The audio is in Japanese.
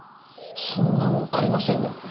そんなもんありませんよ。